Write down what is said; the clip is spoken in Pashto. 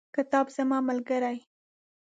کتاب زما ملګری.